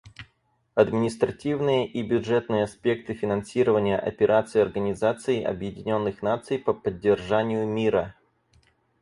Административные и бюджетные аспекты финансирования операций Организации Объединенных Наций по поддержанию мира.